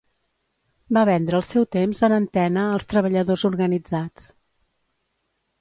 Va vendre el seu temps en antena als treballadors organitzats.